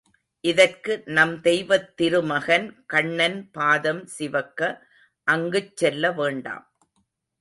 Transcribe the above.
இதற்கு நம் தெய்வத்திரு மகன் கண்ணன் பாதம் சிவக்க அங்குச் செல்லவேண்டாம்.